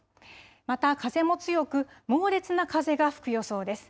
また風も強く猛烈な風が吹く予想です。